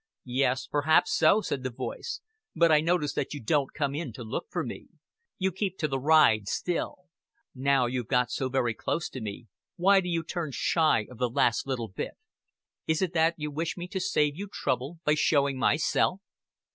"Yes, perhaps so," said the voice. "But I notice that you don't come in to look for me. You keep to the ride still. Now you've got so very close to me, why do you turn shy of the last little bit? Is it that you wish me to save you trouble by showing myself?"